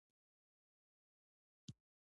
احمد په اقتصادي ستونزو کې راگیر دی